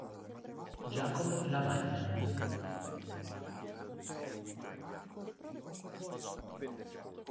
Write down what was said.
Giacomo Lavagna".